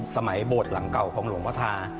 สมัยโบสถ์หลังเก่าของหลวงพระธา